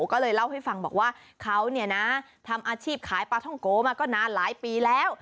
ก็เลยเล่าให้ฟังบอกว่าเขาเนี่ยนะทำอาชีพขายปลาท่องโกมาก็นานหลายปีแล้ว